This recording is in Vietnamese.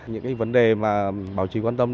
những cái vấn đề mà báo chí quan tâm